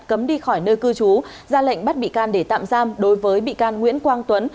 cấm đi khỏi nơi cư trú ra lệnh bắt bị can để tạm giam đối với bị can nguyễn quang tuấn